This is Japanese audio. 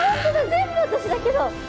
全部私だけど。